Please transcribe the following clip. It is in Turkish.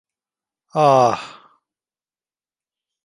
Aah!